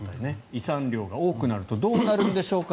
胃酸量が多くなるとどうなるんでしょうか。